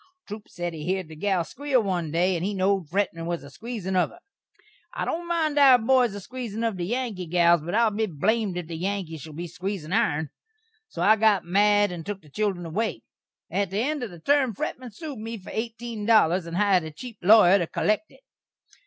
Troup sed he heerd the gal squeel one day, and he knowed Fretman was a squeezin' of her. I don't mind our boys a squeezin' of the Yankee gals, but I'll be blamed if the Yankees shall be a squeezin' ourn. So I got mad and took the children away. At the end of the term Fretman sued me for eighteen dollars, and hired a cheep lawyer to kollekt it.